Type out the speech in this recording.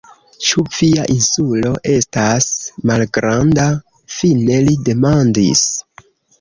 Ĉu via Insulo estas malgranda? fine li demandis.